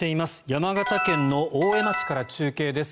山形県大江町から中継です。